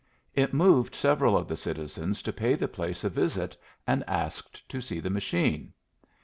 It moved several of the citizens to pay the place a visit and ask to see the machine.